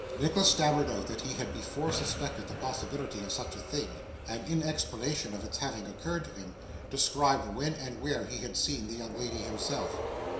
Nicholas stammered out that he had before suspected the possibility of such a thing; and in explanation of its having occurred to him, described when and where he had seen the young lady himself.